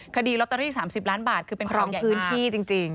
คดีลอตเตอรี่๓๐ล้านบาทคือเป็นครองพื้นที่จริง